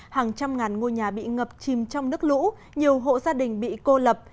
hàng trăm ngàn ngôi nhà bị ngập chìm trong nước lũ nhiều hộ gia đình bị cô lập